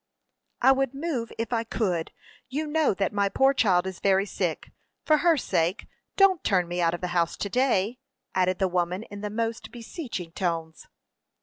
"I would move if I could. You know that my poor child is very sick. For her sake don't turn me out of the house to day," added the woman, in the most beseeching tones.